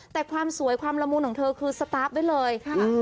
แต่ความสวยความละมุนของเธอคือสตาร์ฟไว้เลยค่ะ